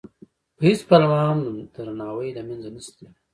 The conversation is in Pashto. په هېڅ پلمه هم درناوی له منځه نه شي تللی.